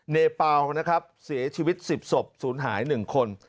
เนเปลานะครับเสียชีวิต๑๐ศพสูญหาย๑คน